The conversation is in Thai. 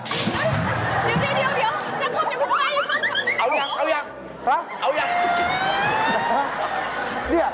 เดี๋ยวน้องคมอยากไป